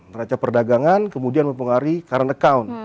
neraca perdagangan kemudian mempengaruhi current account